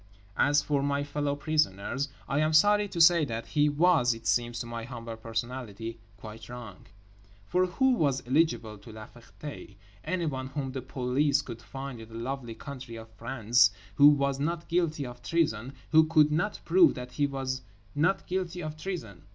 As for my fellow prisoners, I am sorry to say that he was—it seems to my humble personality—quite wrong. For who was eligible to La Ferté? Anyone whom the police could find in the lovely country of France (a) who was not guilty of treason (b) who could not prove that he was not guilty of treason.